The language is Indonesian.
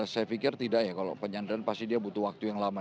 saya pikir tidak ya kalau penyandaran pasti dia butuh waktu yang lama